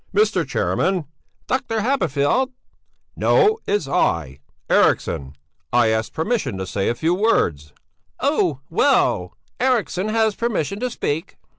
"Mr. Chairman!" "Doctor Haberfeld!" "No, it's I, Eriksson; I ask permission to say a few words." "Oh! Well! Eriksson has permission to speak."